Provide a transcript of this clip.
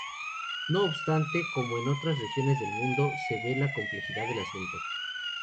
No obstante, como en otras regiones del mundo se ve la complejidad del asunto.